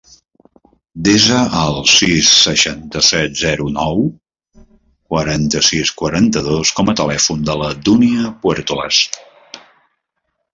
Desa el sis, seixanta-set, zero, nou, quaranta-sis, quaranta-dos com a telèfon de la Dúnia Puertolas.